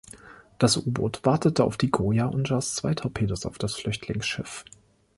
Das U-Boot wartete auf die "Goya" und schoss zwei Torpedos auf das Flüchtlingsschiff.